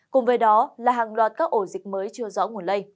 cùng với đó là hàng loạt các ổ dịch mới